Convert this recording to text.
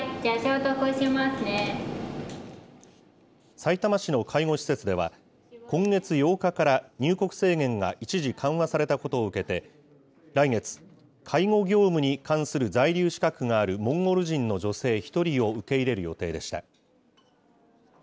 さいたま市の介護施設では、今月８日から入国制限が一時、緩和されたことを受けて、来月、介護業務に関する在留資格があるモンゴル人の女性１人を受け入れる予定でした。